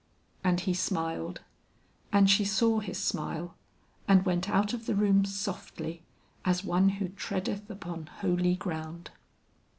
And he smiled, and she saw his smile, and went out of the room softly, as one who treadeth upon holy ground.